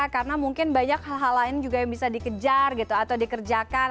karena mungkin banyak hal hal lain juga yang bisa dikejar gitu atau dikerjakan